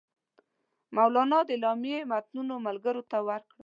مولنا د اعلامیې متنونه ملګرو ته ورکړل.